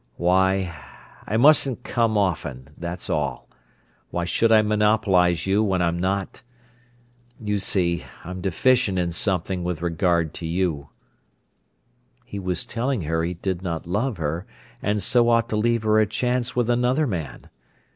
"Why—I mustn't come often—that's all. Why should I monopolise you when I'm not—You see, I'm deficient in something with regard to you—" He was telling her he did not love her, and so ought to leave her a chance with another man.